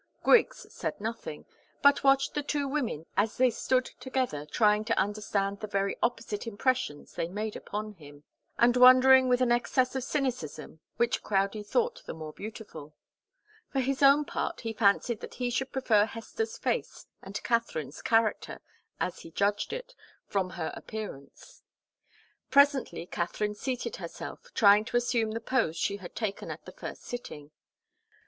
Griggs said nothing, but watched the two women as they stood together, trying to understand the very opposite impressions they made upon him, and wondering with an excess of cynicism which Crowdie thought the more beautiful. For his own part, he fancied that he should prefer Hester's face and Katharine's character, as he judged it from her appearance. Presently Katharine seated herself, trying to assume the pose she had taken at the first sitting.